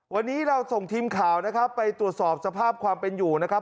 วันนี้เราส่งทีมข่าวนะครับไปตรวจสอบสภาพความเป็นอยู่นะครับ